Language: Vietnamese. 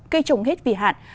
cây trồng hết vì hạn